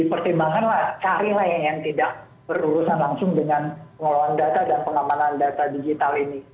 jadi pertimbangkanlah carilah yang tidak berurusan langsung dengan pengelolaan data dan pengamanan data digital ini